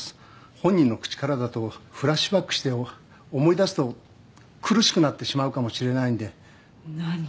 本人の口からだとフラッシュバックして思い出すと苦しくなってしまうかもしれないんで何？